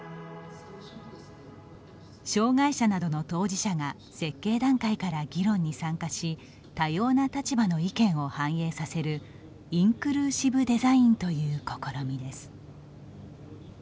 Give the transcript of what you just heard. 障害者などの当事者が設計段階から議論に参加し多様な立場の意見を反映させるインクルーシブデザインという試みです。